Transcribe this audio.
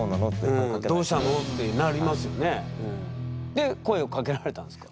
で声をかけられたんですか？